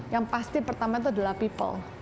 yang pasti pertama itu adalah people